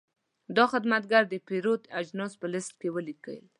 دا خدمتګر د پیرود اجناس په لېست کې ولیکل.